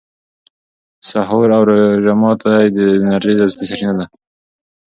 سحور او روژه ماتي د انرژۍ اصلي سرچینه ده.